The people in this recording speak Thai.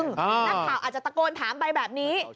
นักข่าวอาจจะตะโกนถามไปแบบนี้